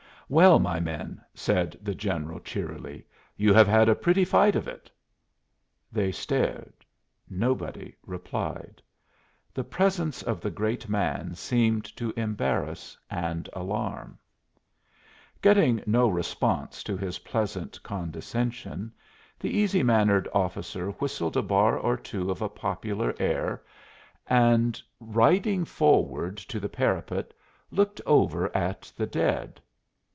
"Well, my men," said the general cheerily, "you have had a pretty fight of it." They stared; nobody replied; the presence of the great man seemed to embarrass and alarm. Getting no response to his pleasant condescension, the easy mannered officer whistled a bar or two of a popular air, and riding forward to the parapet, looked over at the dead.